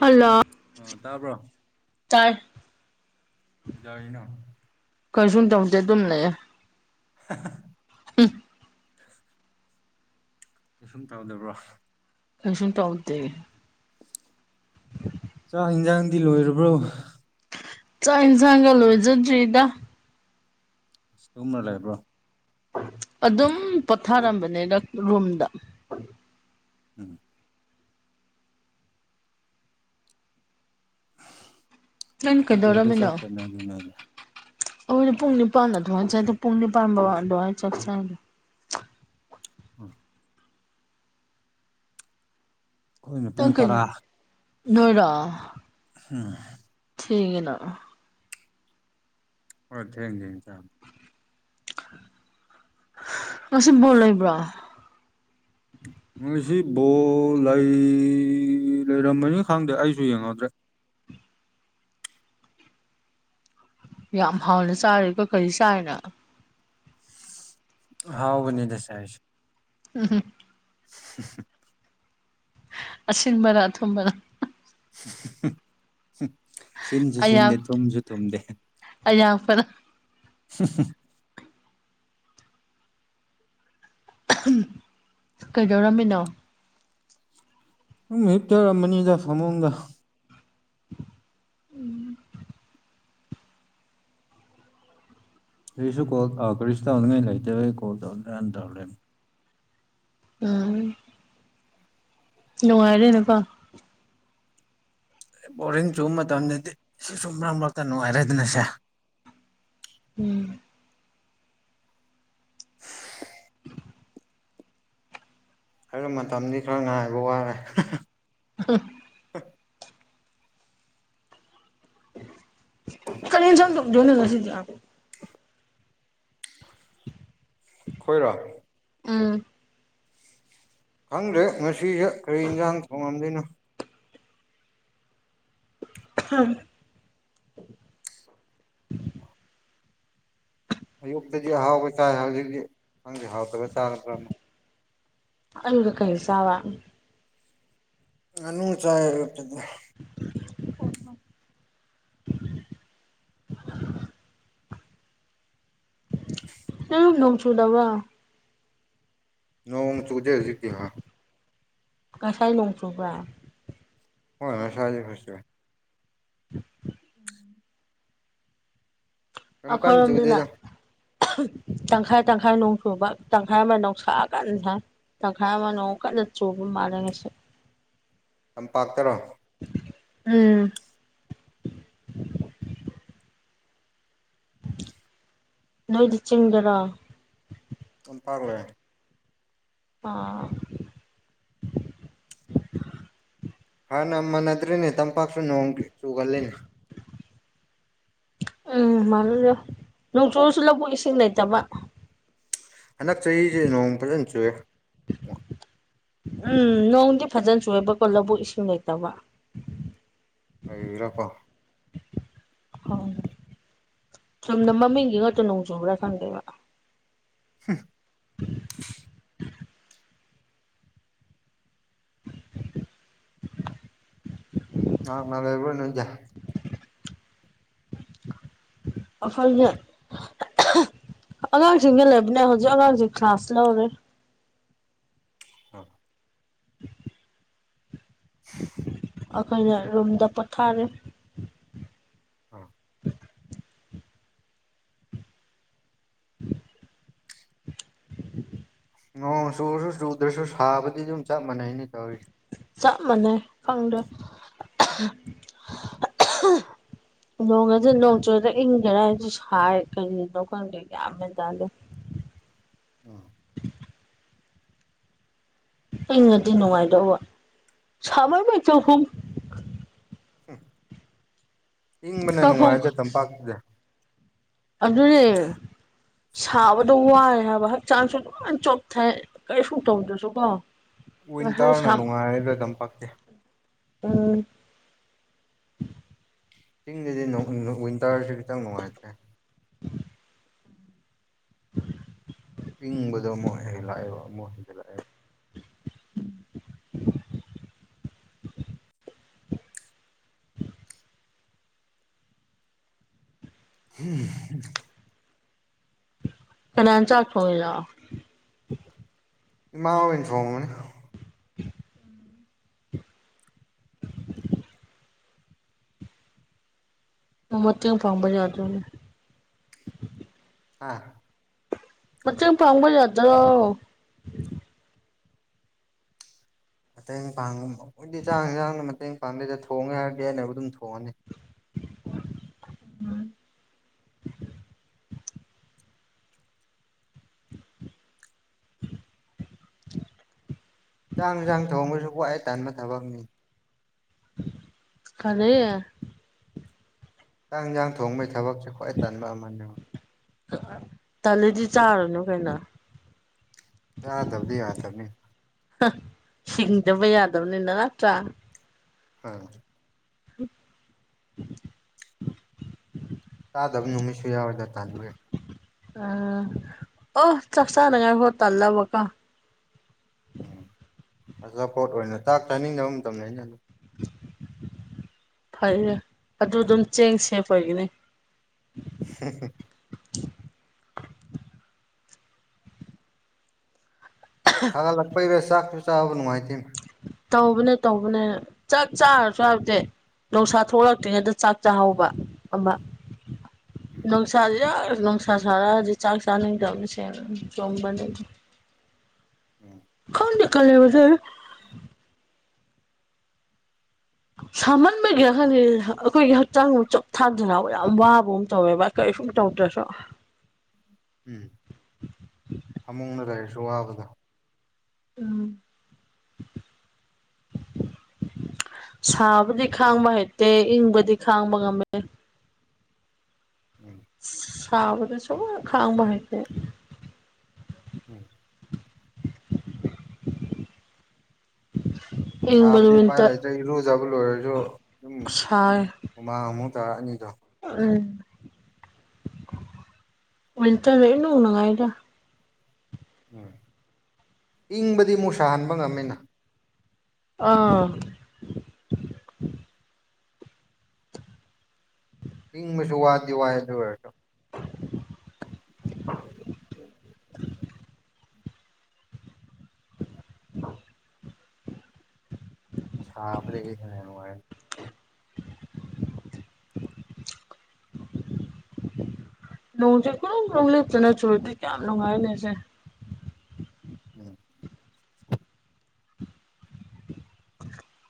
ꯂꯜꯂ‌‌ꯣ ꯑꯣ ꯇꯥꯕ꯭ꯔꯣ ꯇꯥꯏ ꯀꯩꯗꯧꯔꯤꯅꯣ ꯀꯩꯁꯨꯨꯝ ꯇꯧꯗꯦ ꯑꯗꯨꯝ ꯂꯩꯌꯦ [unintelligible] ꯍꯝ ꯀꯩꯁꯨꯝ ꯇꯧꯗꯕ꯭ꯔꯣ ꯀꯩꯁꯨꯝ ꯇꯧꯗꯦ ꯆꯥꯛ ꯍꯤꯟꯖꯥꯡꯗꯤ ꯂꯣꯏꯔꯕ꯭ꯔꯣ ꯆꯥꯛ ꯏꯟꯁꯥꯡꯒ ꯂ‌ꯣꯏꯖꯗ꯭ꯔꯤꯗ ꯑꯁ ꯇꯨꯝꯃ ꯂꯩꯕ꯭ꯔꯣ ꯑꯗꯨꯝ ꯄꯣꯊꯥꯔꯝꯕꯅ‌ꯦꯗ ꯔꯨꯝꯗ ꯎꯝ ꯅꯪ ꯄꯨꯡ ꯀꯌꯥꯗ ꯆꯥꯛ ꯀꯩꯗꯧꯔꯝꯃꯤꯅ‌ꯣ ꯆꯥꯅꯒꯦ ꯅꯣꯏꯗꯤ ꯑ‌ꯣ ꯑꯩꯗꯤ ꯄꯨꯡ ꯅꯤꯄꯥꯟꯗ ꯊ‌ꯣꯡꯉꯥ ꯆꯥꯏꯗꯣ ꯄꯨꯡ ꯅꯤꯄꯥꯟ ꯐꯕꯥ ꯑꯗꯨꯋꯥꯏꯗ ꯆꯛꯆꯥꯏꯅ‌ꯦ ꯎꯝ ꯑꯩꯈꯣꯏꯅ ꯄꯨꯡ ꯇꯔꯥ [unintelligible] ꯅꯣꯏꯔ‌ꯣ ꯎꯝ ꯊ‌ꯦꯡꯉ‌ꯦꯅ ꯈ‌ꯣꯏ ꯊꯦꯡ ꯊꯦꯡ ꯆꯥꯏ ꯉꯁꯤꯕꯣꯜ ꯂꯩꯕ꯭ꯔꯣ ꯉꯥꯁꯤ ꯕꯣꯜ ꯂꯩ ꯂꯩꯔꯝꯃꯅꯤ ꯈꯪꯗꯦ ꯑꯩꯁꯨ ꯌꯦꯡꯗ꯭ꯔꯦ ꯌꯥꯝ ꯍꯥꯎꯅ ꯆꯥꯔꯦꯀꯣ ꯀꯔꯤ ꯆꯥꯏꯅ ꯍꯥꯎꯕꯅꯤꯗ ꯆꯥꯏꯁ‌ꯦ ꯎꯝ ꯍꯝ [unintelligible] ꯑꯁꯤꯡꯕꯔ ꯑꯊꯨꯝꯕꯔ ꯁꯤꯟꯁꯨ ꯁꯤꯟꯗꯦ ꯊꯨꯝꯁꯨ ꯊꯨꯝꯗꯦ ꯑꯋꯥꯛꯄꯔꯥ [unintelligible] ꯀꯩꯗꯧꯔꯝꯃꯤꯅꯣ ꯅꯪ ꯃꯍꯤꯛꯇꯔꯝꯕꯅꯤꯗ ꯐꯃꯨꯡꯗ ꯎꯝ ꯑꯩꯁꯨ ꯀꯣꯜꯧ ꯀꯔꯤꯁꯨ ꯇꯧꯅꯤꯡꯉꯥꯏ ꯂꯩꯇꯦ ꯀꯣ ꯇꯧ ꯍꯥꯟ ꯇꯧꯔꯛꯦ ꯎꯝ ꯅꯨꯡꯉꯥꯏꯔꯦꯅꯀꯣ ꯕꯣꯔꯤꯡ ꯆꯨꯕ ꯃꯇꯝꯗꯗꯤ ꯁꯤꯁꯨꯨꯝ ꯃꯔꯛ ꯃꯔꯛꯇ ꯅꯨꯡꯉꯥꯏꯔꯦꯗꯅꯁꯦ ꯎꯝ ꯍꯥꯏꯔꯤꯕ ꯃꯇꯝꯗꯤ ꯈꯔ ꯉꯥꯏꯕ ꯋꯥꯔꯦ ꯑ ꯀꯅꯤ ꯁꯖꯅꯁꯤꯗ ꯈꯣꯏꯔꯣ ꯑꯥ ꯈꯪꯗ꯭ꯔꯦ ꯉꯁꯤꯁꯦ ꯀꯔꯤ ꯌꯦꯟꯁꯥꯡ ꯊꯣꯡꯉꯝꯗꯣꯏꯅꯣ ꯍꯝ ꯑꯌꯨꯛꯇꯗꯤ ꯑꯍꯥꯎꯕ ꯆꯥꯏ ꯍꯧꯖꯤꯛꯇꯤ ꯈꯪꯗꯤ ꯍꯥꯎꯇꯕꯒ ꯆꯥꯗ꯭ꯔꯅ ꯑꯒ ꯀꯩꯁꯥꯕ ꯉꯥꯅꯨ ꯆꯥꯏꯔꯄꯗ ꯎ ꯀꯝ ꯅꯎ ꯆꯨꯗꯕ ꯅꯣꯡ ꯆꯨꯖꯦꯖꯤꯇꯍꯥ ꯉꯁꯥꯏ ꯂꯣꯡꯆ꯭ꯔꯕ꯭ꯔ ꯍꯣꯏ ꯑꯁꯥ ꯍꯥꯏꯖꯤꯁꯨꯦ ꯎ ꯌꯥꯝ ꯀꯟꯅ ꯑꯩꯈꯣꯏꯔꯣꯝꯗꯨꯅ ꯆꯨꯗꯦꯗ ꯇꯪꯈꯥꯏ ꯇꯪꯈꯥꯏ ꯅꯣꯡ ꯆꯨꯕ ꯇꯪꯈꯥꯏ ꯑꯃ ꯅꯅꯨꯡ ꯁꯛꯑꯀꯥꯟ ꯁꯥ ꯇꯪꯈꯥꯏ ꯑꯃꯅꯣꯡ ꯀꯟꯅ ꯆꯨꯕ ꯃꯥꯔꯉꯁꯨꯦ ꯂꯝꯄꯥꯛꯇꯔꯣ ꯎꯝ ꯅꯣꯏꯗꯤ ꯆꯤꯡꯗꯔꯥ ꯑꯗꯨꯝ ꯄꯥꯛꯂꯣꯏꯦ ꯑꯥ ꯍꯥꯟꯅ ꯃꯥꯟꯅꯗ꯭ꯔꯔꯤꯅꯦ ꯇꯝꯄꯥꯛꯁꯨ ꯅꯣꯡꯒꯤ ꯆꯨꯒꯜꯂꯤꯅꯦ ꯎꯝ ꯃꯥꯜꯂꯗ ꯅꯣꯡꯆꯣꯜꯁꯨ ꯂꯧꯕꯨ ꯏꯁꯤꯡ ꯂꯩꯇꯕ ꯍꯟꯗꯛ ꯆꯍꯤꯁꯦ ꯅꯣꯡ ꯐꯖꯅ ꯆꯨꯏꯦ ꯎꯝ ꯅꯣꯡꯗꯤ ꯐꯖꯅ ꯆꯣꯏꯕꯀꯣ ꯂꯧꯕꯨꯛ ꯏꯁꯤꯡ ꯂꯩꯇꯕ ꯂꯩꯕꯤꯔꯥꯀꯣ ꯍ ꯁꯣꯨꯝꯅ ꯃꯃꯤꯡꯒꯤ ꯉꯥꯛꯛꯇ ꯅꯣꯡ ꯆꯨꯕ꯭ꯔꯥ ꯈꯪꯗꯦꯕ ꯁꯤ [unintelligible] ꯑ ꯃꯥꯦꯕꯅꯖ ꯑꯐꯥꯜꯅ ꯑꯉꯥꯡꯁꯤꯡꯅ ꯂꯩꯕꯅꯦ ꯍꯧꯖꯤꯛ ꯑꯉꯥꯡꯁꯦ ꯀ꯭ꯂꯥꯁ ꯂꯧꯔꯦ ꯎꯝ [unintelligible] ꯑꯩꯈꯣꯏꯅ ꯔꯨꯝꯗ ꯄꯣꯊꯥꯔꯦ ꯑꯥ ꯅꯣꯡ ꯆꯨꯁꯨ ꯆꯨꯗ꯭ꯔꯁꯨ ꯁꯥꯕꯗꯤ ꯑꯗꯨꯝ ꯆꯞ ꯃꯥꯟꯅꯩꯅꯦ ꯇꯧꯔꯤꯁꯦ ꯆꯞ ꯃꯥꯟꯅꯩ ꯐꯪꯗ ꯅꯣꯡꯗꯤ ꯅꯣꯡ ꯆꯣꯏꯗ ꯏꯪꯒꯦꯔꯥ ꯍꯥꯏꯁꯨ ꯁꯥꯏ ꯀꯔꯤꯅꯣ ꯈꯪꯒꯦ ꯌꯥꯝꯃꯦ ꯇꯗ ꯎꯝ ꯑꯩꯉꯗꯤ ꯅꯨꯡꯉꯥꯏꯗꯧꯕ ꯁꯕꯩ ꯃꯩ ꯆ ꯍꯨꯝ ꯎ ꯏꯪꯕꯅ ꯆꯥꯛꯈꯨꯝ ꯅꯨꯡꯉꯥꯏꯔꯁꯦ ꯇꯝꯄꯥꯛꯇꯨꯁ ꯑꯟꯖꯅꯦ ꯁꯥꯕꯗꯣ ꯋꯥꯏꯦ ꯍꯥꯏꯕ ꯍꯛꯆꯥꯡꯁꯨ ꯂꯣꯏ ꯆꯣꯞꯊꯥꯏ ꯀꯩꯁꯨꯨꯝ ꯇꯧꯗ꯭ꯔꯁꯨ ꯀꯣ ꯋꯤꯟꯇꯔꯅ ꯅꯨꯡꯉꯥꯏꯔꯗ ꯑꯗꯨꯝ ꯄꯛꯇꯦ ꯎꯝ ꯆꯤꯡꯗꯗꯤ ꯋꯤꯟꯇꯔꯁꯨ ꯈꯤꯇꯪ ꯅꯨꯡꯉꯥꯏꯇꯦ ꯏꯪꯕꯗꯣ ꯑꯃꯨꯛ ꯍꯜꯂꯛꯑꯦꯕ ꯑꯃꯨꯛ ꯍꯦꯟꯖꯜꯂꯛꯑꯦꯕ ꯎꯝ ꯐ ꯆ ꯑꯦꯂ ꯃꯩꯅ ꯐꯣꯟ [inaudible] ꯃꯠꯇꯦꯡꯨ ꯐꯥꯡꯕ ꯌꯥꯗꯅꯤ ꯑꯥ ꯃ ꯏꯪ ꯐꯉꯕꯜ ꯌꯥꯗ꯭ꯔꯣ ꯃꯇꯦꯡ ꯄꯥꯡꯉ ꯑꯣꯏꯗꯤ ꯆꯥꯡ ꯆꯥꯡꯅ ꯃꯇꯦꯡ ꯄꯥꯡꯗꯦꯗ ꯊꯣꯡꯦ ꯌꯥꯔꯗꯤ ꯍꯥꯏꯕꯨ ꯑꯗꯨꯝ ꯊꯣꯡꯉꯅꯤ ꯎꯝ ꯆꯥꯡ ꯌꯦꯟꯁꯥꯡ ꯊꯣꯡꯕꯁꯨ ꯋꯥꯏ ꯇꯥꯟꯕ ꯊꯕꯛꯅꯤ ꯈꯂꯦ ꯆꯥꯡ ꯏꯟꯁꯥꯡ ꯊꯣꯡꯕꯒꯤ ꯊꯕꯛꯁꯦ ꯈ꯭ꯋꯥꯏ ꯇꯟꯕ ꯑꯃꯅꯦ ꯇꯂꯗꯤ ꯆꯥꯔꯨꯅꯨ ꯀꯩꯅꯣ ꯌꯥ ꯇꯕꯗꯤ ꯌꯥꯗ ꯇꯕꯅꯤ ꯁꯤꯡꯗꯕ ꯌꯥꯗꯕꯅꯤꯅ ꯅꯠꯇ꯭ꯔꯥ ꯑꯥ [inaudible] ꯇꯥꯗꯕ ꯅꯨꯃꯤꯠꯁꯨ ꯌꯥꯎꯔꯣꯏꯗ ꯇꯥꯟꯕ ꯌꯥ ꯑꯝ ꯑꯣ ꯆꯞ ꯆꯥꯅꯉ ꯍ ꯇꯜꯂꯕ ꯀ ꯎꯝ ꯑꯆꯥꯄꯣꯠ ꯑꯣꯏꯅ ꯆꯥꯛ ꯆꯥꯅꯤꯡꯗꯕ ꯃꯇꯝꯗ ꯑꯩꯅ ꯑꯗꯨꯝ ꯐꯔꯦ ꯑꯗꯨ ꯑꯗꯨꯝ ꯆꯦꯡꯁꯦꯡꯄꯒꯤꯅꯤ ꯍꯤꯩꯍꯤ [unintelligible] ꯁꯥꯒꯠꯂꯛꯄꯩꯔꯦ ꯆꯥꯛꯁꯨ ꯆꯥꯕ ꯅꯨꯡꯉꯥꯏꯇꯦ ꯇꯧꯕꯅꯦ ꯇꯧꯕꯅꯦ ꯆꯥꯛ ꯆꯥꯔꯁꯨ ꯍꯥꯏꯕꯗꯤ ꯧꯁꯥ ꯊꯣꯛꯂꯛꯇ꯭ꯔꯤꯉꯩꯗ ꯆꯥꯛ ꯆꯥꯍꯕ ꯑꯃ ꯎꯝ ꯅꯨꯡꯁꯥꯥꯁ ꯌꯥꯔ ꯅꯨꯡꯁꯥ ꯁꯥꯔꯛꯑꯗꯤ ꯆꯥꯛ ꯆꯥꯅꯤꯡꯗꯕꯅꯤꯁꯦꯅ ꯆꯣꯡꯕꯅꯤ ꯎꯝ ꯀꯣꯟꯗꯤꯀꯂꯦꯕꯁ ꯁꯥꯃꯟꯕꯒꯤ ꯈꯪ ꯑꯩꯈꯣꯏꯒꯤ ꯍꯛꯆꯥꯡ ꯑꯃ ꯆꯞꯊꯥꯗꯅ ꯌꯥꯝ ꯋꯥꯕ ꯑꯃ ꯇꯧꯋꯦꯕ ꯀꯔꯤ ꯁꯨꯝ ꯇꯧꯗ꯭ꯔꯁꯨ ꯎꯝ ꯐꯃꯨꯡꯅ ꯂꯩꯔꯁꯨ ꯋꯥꯕꯗ ꯎꯝ [inaudible] [inaudible] [inaudible] ꯁꯥꯕꯨꯗꯤ ꯈꯥꯡꯕ ꯍꯩꯇꯦ ꯏꯪꯕꯗꯤ ꯈꯥꯡꯕ ꯉꯝꯃꯦ ꯎꯝ ꯁꯕꯗ ꯁꯃ ꯈꯥꯡꯕ ꯍꯩꯈꯦ ꯎꯝ [inaudible] ꯁꯥꯕꯨꯗꯤ ꯄꯥꯏ ꯋꯤꯟꯇꯔ ꯂꯩꯇ꯭ꯔꯦ ꯏꯔꯨꯖꯕ ꯂꯣꯏꯔꯁꯨ ꯑꯗꯨꯝ ꯁꯥꯏ ꯃꯃꯥꯡ ꯑꯃꯨꯛ ꯇꯥꯔꯛꯑꯅꯤꯗꯣ ꯎꯝ ꯎꯇꯅꯅꯉ ꯏꯗ ꯎꯝ ꯏꯪꯕꯗꯤ ꯃꯨ ꯁꯥꯍꯟꯕ ꯉꯝꯃꯤꯅ ꯑꯥ [inaudible] ꯏꯪꯕꯁꯨ ꯋꯥꯗꯤ ꯋꯥꯏꯦ ꯑꯗꯨ ꯑꯣꯏꯔꯁꯨ [inaudible] [inaudible] [inaudible] ꯎ [inaudible] ꯁꯥ ꯕ꯭ꯔꯦ ꯁꯣ ꯍꯥꯏ ꯅꯣꯡꯁꯦ ꯈꯨꯔꯣꯡ ꯣꯡ ꯂ ꯂꯤꯞꯇꯨꯅ ꯆꯨꯔꯨꯗꯤ ꯀꯌꯥꯝ ꯅꯨꯡꯉꯥꯏꯅꯦꯁꯦ ꯎꯝ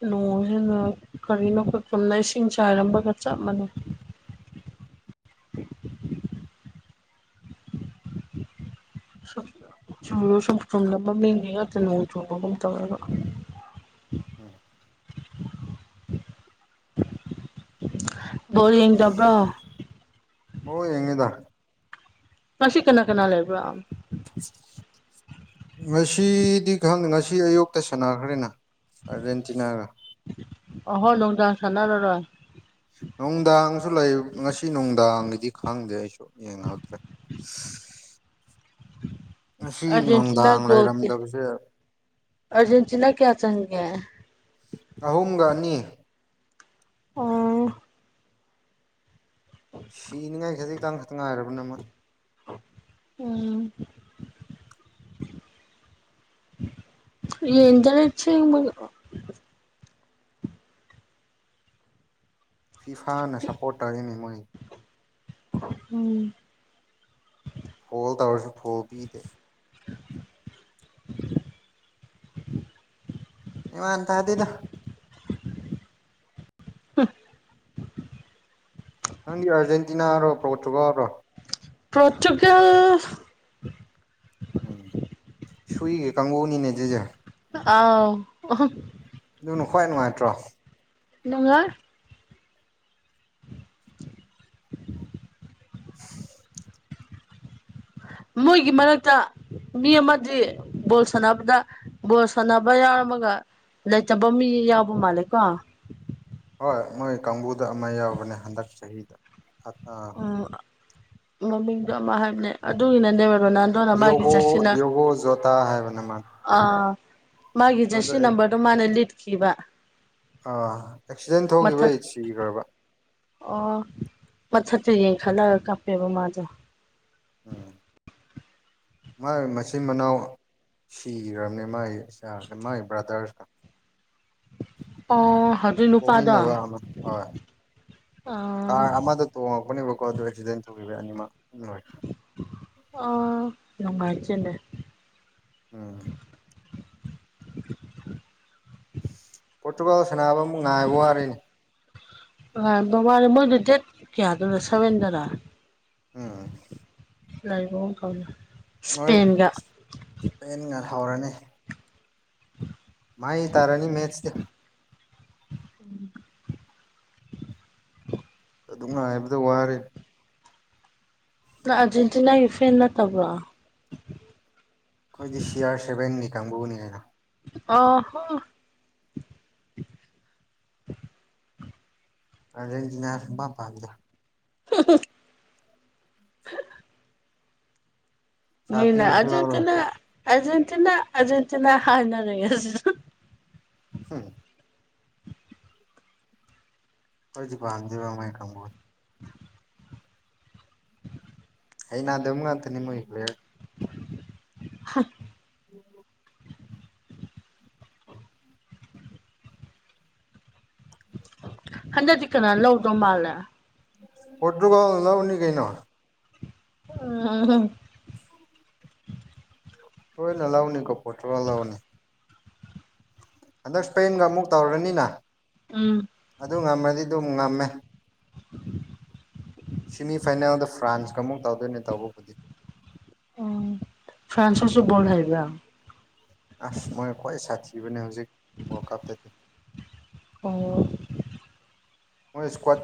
ꯅꯣꯡꯁꯤꯦꯅ ꯀꯔꯤꯅꯣ ꯑꯩꯈ ꯀꯨꯝꯅ ꯏꯁꯤꯡ ꯆꯥꯏꯔꯃꯒ ꯆꯞ ꯃꯥꯟꯅꯩ [inaudible] ꯁ ꯁꯨꯝꯨ ꯁꯨꯝ ꯆꯨꯝꯗ ꯃꯃꯤꯡ ꯉꯛꯇ ꯅꯣꯡ ꯆꯣꯡꯕꯒꯨꯝ ꯇꯧꯔꯒ ꯎꯝ ꯕꯣꯔꯤꯡ ꯇꯧꯕ꯭ꯔꯣ ꯑꯣ ꯌꯦꯡꯉꯗ ꯃꯁꯤ ꯀꯅꯥ ꯀꯅꯥ ꯂꯩꯕ꯭ꯔꯥ [inaudible] ꯉꯁꯤꯗꯤ ꯈꯪꯗꯦ ꯉꯁꯤ ꯑꯌꯨꯛꯇ ꯁꯥꯟꯅꯈ꯭ꯔꯦꯅ ꯑꯥꯔꯖꯦꯟꯇꯤꯅꯥꯒ ꯑꯍꯣ ꯂꯣꯡꯗꯥ ꯁꯥꯟꯅꯔꯔꯣꯏ ꯅꯨꯡꯗꯥꯡꯁꯨ ꯂꯩ ꯉꯁꯤ ꯅꯨꯡꯗꯥꯡꯒꯤꯗꯤ ꯈꯪꯗꯦ ꯑꯩꯁꯨ ꯌꯦꯡꯍꯧꯗ꯭ꯔꯦ [inaudible] ꯉꯁꯤ ꯑꯥꯔꯖꯦꯟꯇꯤꯅꯥ ꯅꯨꯡꯗꯥꯡ ꯂꯩꯔꯝꯗꯕꯁꯦ ꯑꯔꯖꯦꯟꯇꯤꯅꯥ ꯀꯌꯥ ꯆꯪꯒꯦꯦ ꯑꯍꯨꯝꯒ ꯑꯅꯤ ꯑꯥ ꯁꯤꯅꯤꯡꯉꯥꯏ ꯈꯗ ꯈꯤꯇꯪ ꯈꯛꯇ ꯉꯥꯏꯔꯕ ꯅꯃ ꯎ ꯌꯦꯟꯖ ꯂꯩꯁꯤ ꯐꯤꯐꯥꯅ ꯁꯞꯄꯣꯔꯠ ꯇꯧꯔꯤꯅꯤ ꯃꯣꯏ ꯎꯝ ꯐꯣꯜ ꯇꯧꯔꯁꯨ ꯐꯣꯜ ꯄꯤꯗꯦ [inaudible] [inaudible] ꯏ ꯇ ꯑꯗꯨꯗꯗ ꯎꯝ ꯅꯪꯗꯤ ꯑꯥꯔꯖꯦꯟꯇꯤꯅꯥꯔꯣ ꯄ꯭ꯔꯣꯇꯨꯒꯔꯣ ꯄꯣꯔꯇꯨꯒꯜ ꯎꯝ ꯁꯨꯏꯒꯦ ꯀꯥꯡꯕꯨꯅꯤꯅꯦ ꯑꯗꯨꯁꯦ ꯑꯥꯎ ꯑꯗꯨꯅ ꯈ꯭ꯋꯥꯏ ꯅꯨꯡꯉꯥꯏꯇ꯭ꯔꯣ ꯅꯪꯉ [inaudible] ꯃꯣꯏꯒꯤ ꯃꯔꯛꯇ ꯃꯤ ꯑꯃꯗꯤ ꯕꯣꯜ ꯁꯥꯟꯅꯕꯗ ꯕꯣꯜ ꯁꯥꯟꯅꯕ ꯌꯥꯎꯔꯝꯃꯒ ꯂꯩꯇꯕ ꯃꯤ ꯌꯥꯎꯕ ꯃꯥꯜꯂꯦꯀꯣ ꯍꯣꯏ ꯃꯣꯏ ꯀꯥꯡꯕꯨꯗ ꯑꯃ ꯌꯥꯎꯕꯅꯦ ꯍꯟꯗꯛ ꯆꯍꯤꯗ ꯃꯃꯤꯡꯗ ꯑꯃ ꯍꯥꯏꯕ ꯑꯗꯨꯒꯤꯅꯅꯦꯕ ꯔꯣꯅꯥꯜꯗꯣꯅ ꯃꯥꯒꯤ ꯗꯤꯌꯣꯒꯣ ꯆꯠꯁꯤꯅ ꯗꯤꯌꯣꯒꯣ ꯖꯣꯇꯥ ꯍꯥꯏꯕꯅꯦ ꯃꯥ ꯑꯥ ꯃꯥꯒꯤ ꯃꯥꯗꯣ ꯖꯟꯁꯤ ꯅꯝꯕꯔꯗꯨꯣ ꯃꯥꯅ ꯂꯤꯠꯈꯤꯕ ꯑꯥ ꯑꯦꯛꯁꯤꯗꯦꯟ ꯃꯊꯛ ꯊꯣꯛꯈꯤꯕꯒꯤ ꯁꯤꯈ꯭ꯔꯕ ꯑꯣ ꯄꯣꯠꯊꯠꯇꯨ ꯌꯦꯡ ꯈꯠꯂꯒ ꯀꯥꯞꯄꯦꯕ ꯃꯥꯗꯣ ꯎꯝ ꯃꯥꯥꯏ ꯃꯆꯤꯟ ꯃꯅꯥꯎ ꯁꯤꯈ꯭ꯔꯕꯅꯦ ꯃꯥꯒꯤ ꯏ ꯃꯥꯥꯏ ꯕ꯭ꯔꯥꯗꯔꯁꯀ ꯑꯣ ꯍꯣꯏ ꯄꯣꯛꯃꯤꯟꯅꯕ ꯑꯃꯥ ꯍꯣꯏ ꯑꯥ ꯀꯥꯔ ꯑꯃꯥꯗ ꯇꯣꯡꯉꯛꯄꯅꯦꯕꯀꯣ ꯑꯗꯨ ꯑꯦꯛꯁꯤꯗꯦꯟ ꯊꯣꯛꯈꯤꯕꯩ ꯑꯅꯤꯃꯛ ꯂꯣꯏ ꯑꯥ ꯅꯨꯡꯉꯥꯏꯇꯦ ꯎꯝ ꯄꯣꯔꯇꯨꯒꯥꯜ ꯁꯥꯟꯅꯕ ꯑꯃꯨꯛ ꯉꯥꯏꯕ ꯋꯥꯔꯦ ꯉꯥꯏꯕꯥ ꯋꯥꯔꯦ ꯃꯣꯏꯗꯣ ꯗꯦꯠ ꯀꯌꯥꯗꯨꯅ ꯁꯚꯦꯟꯗꯔꯥ ꯎꯝ ꯂꯥꯏꯕ ꯑꯃ ꯀꯥꯎꯅ ꯃꯣꯏ ꯏꯁꯄꯦꯟꯒꯥ ꯂꯩꯍꯧꯔꯅꯤ ꯃꯥꯥꯏ ꯇꯔꯥꯅꯤ ꯃꯦꯁ ꯎꯝ ꯑꯗꯨ ꯉꯥꯏꯕꯗ ꯋꯥꯔꯦ ꯅꯪ ꯑꯥꯔꯖꯦꯟꯇꯤꯅꯥꯒꯤ ꯐꯦꯟ ꯅꯠꯇꯕ꯭ꯔꯣ ꯑꯩꯈꯣꯏꯗꯤ ꯁꯤ ꯑꯥꯔ ꯁꯕꯦꯟꯒꯤ ꯀꯥꯡꯕꯨꯅꯦ ꯑꯥꯎ ꯍꯣ [unintelligible] ꯑꯥꯔꯖꯦꯟꯇꯤꯅꯥ ꯁꯨꯛꯄꯥꯝ ꯄꯥꯝꯗꯦ [unintelligible] ꯄꯩꯁꯥ ꯃꯣꯏꯅꯥ ꯄꯤꯔꯁꯨ ꯂꯧꯔꯣꯏ ꯑꯔꯖꯦꯟꯇꯤꯅꯥ ꯑꯔꯖꯦꯟꯇꯤꯅꯥ ꯑꯔꯖꯦꯟꯇꯤꯅꯥ ꯍꯥꯏꯅ ꯂꯩ [unintelligible] ꯑꯈꯣꯏꯗꯤ ꯄꯥꯝꯗꯦꯕ ꯃꯣꯏ ꯀꯥꯡꯒꯨ ꯍꯩꯅꯥꯗꯕ ꯉꯥꯛꯇꯅꯤ ꯃꯣꯏꯒꯤ ꯍꯥ [unintelligible] ꯍꯟꯗꯛꯇꯤ ꯀꯅꯥꯅ ꯂꯧꯗꯧ ꯃꯥꯜꯂꯦ ꯄꯣꯔꯇꯨꯒꯜ ꯅꯧꯅꯤ ꯀꯩꯅꯣ ꯎꯝ ꯍꯨꯝ ꯁꯣꯏꯗꯥꯅ ꯂꯧꯅꯤ ꯀꯣ ꯄꯣꯔꯇꯨꯒꯜ ꯂꯥꯎꯅꯤ ꯍꯟꯗꯛ ꯁꯄꯦꯟꯒ ꯑꯃꯨꯛ ꯇꯧꯔꯅꯤꯅ ꯎꯝ ꯑꯗꯨ ꯉꯝꯃꯗꯤ ꯑꯗꯨꯝ ꯉꯝꯃꯦ ꯁꯤꯃꯤꯐꯥꯏꯅꯦꯜꯗ ꯐ꯭ꯔꯥꯟꯁꯀ ꯑꯃꯨꯛ ꯇꯧꯗꯣꯏꯅꯦ ꯇꯧꯕꯕꯨꯗꯤ ꯎꯝ ꯐ꯭ꯔꯥꯟꯁ ꯁꯨ ꯕꯣꯜ ꯍꯥꯏꯕꯔꯥ ꯑꯁ ꯃꯣꯏꯅ ꯈ꯭ꯋꯥꯏ ꯁꯥꯊꯤꯕꯅꯦ ꯍꯧꯖꯤꯛ ꯋꯥꯔꯜ ꯀꯞꯇꯗꯤ ꯑꯣ ꯃꯣꯏ ꯏꯁꯀꯥꯠ